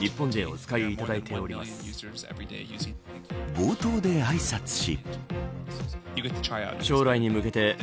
冒頭であいさつし。